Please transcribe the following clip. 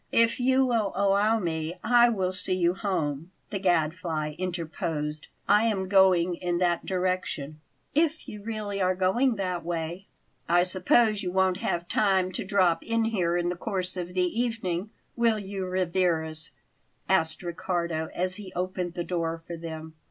"If you will allow me, I will see you home," the Gadfly interposed; "I am going in that direction." "If you really are going that way " "I suppose you won't have time to drop in here in the course of the evening, will you, Rivarez?" asked Riccardo, as he opened the door for them.